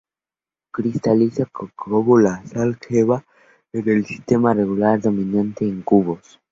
Cristaliza, como la sal gema, en el sistema regular, dominante en cubos.